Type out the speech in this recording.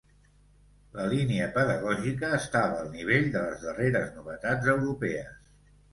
La línia pedagògica estava al nivell de les darreres novetats europees.